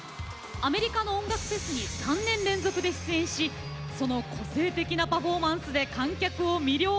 アメリカの音楽フェスに３年連続で出演し、その個性的なパフォーマンスで観客を魅了。